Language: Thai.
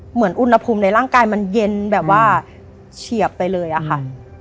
เหมือนอุณหภูมิในร่างกายมันเย็นแบบว่าเฉียบไปเลยอะค่ะ